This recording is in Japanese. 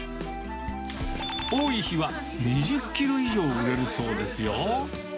多い日は２０キロ以上売れるそうですよ。